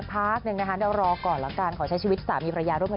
ตอนนี้๓๐๓๒ก็อาจจะมีได้